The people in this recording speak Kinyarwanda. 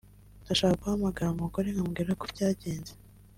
Ndashaka guhamagara umugore nkamubwira uko byagenze